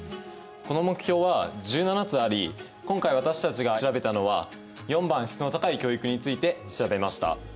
この目標は１７つあり今回私たちが調べたのは４番「質の高い教育」について調べました。